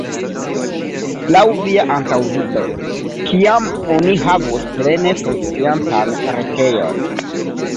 Laŭ via antaŭvido, kiam oni havos plene funkciantan retejon?